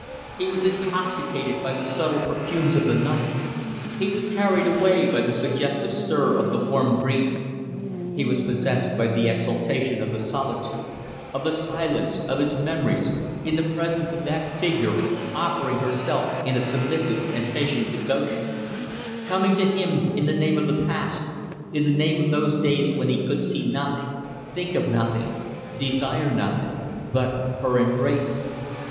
He was intoxicated by the subtle perfumes of the night; he was carried away by the suggestive stir of the warm breeze; he was possessed by the exaltation of the solitude, of the silence, of his memories, in the presence of that figure offering herself in a submissive and patient devotion; coming to him in the name of the past, in the name of those days when he could see nothing, think of nothing, desire nothing but her embrace.